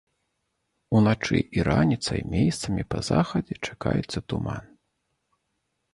Уначы і раніцай месцамі па захадзе чакаецца туман.